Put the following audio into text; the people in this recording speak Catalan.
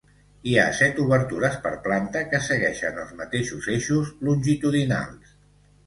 Hi ha set obertures per planta que segueixen els mateixos eixos longitudinals.